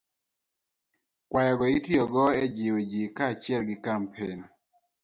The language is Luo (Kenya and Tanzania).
Kwayogo itiyogo e jiwo ji kaachiel gi kampen